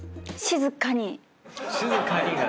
静かに。